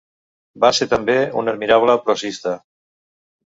Va ser també un admirable prosista.